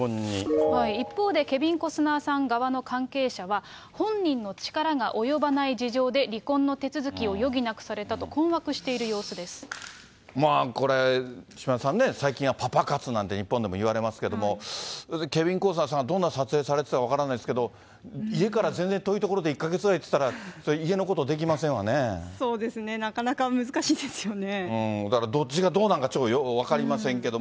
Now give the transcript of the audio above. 一方で、ケビン・コスナーさん側の関係者は、本人の力が及ばない事情で離婚の手続きを余儀なくされたと困惑しまあこれ、島田さんね、最近はパパ活なんて日本でも言われますけども、要するにケビン・コスナーさんがどんな撮影されてたか分からないですけど、家から全然遠い所で１か月ぐらいやってたら、そうですね、なかなか難しいだからどっちがどうなんか、よう分かりませんけど。